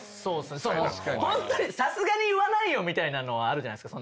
ホントにさすがに言わないよみたいなのあるじゃないですか。